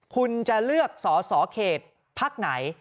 คุณจะเลือกสอสอเขตพักไหน